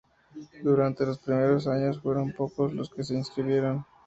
Durante los primeros años fueron pocos los que se inscribieron.